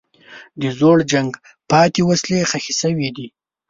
د زوړ جنګ پاتې وسلې ښخ شوي دي.